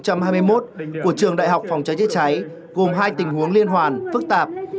của trường đại học phòng cháy chữa cháy gồm hai tình huống liên hoàn phức tạp